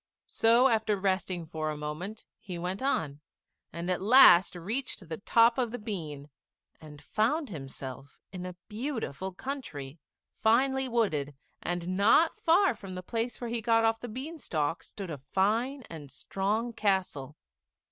So after resting for a moment he went on, and at last reached the top of the bean, and found himself in a beautiful country, finely wooded; and not far from the place where he had got off the bean stalk stood a fine and strong castle.